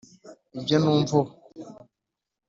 ibyo numva ubu.